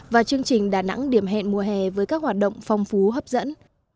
và chương trình đà nẵng điểm hẹn mùa hè với các hoạt động phong phú hấp dẫn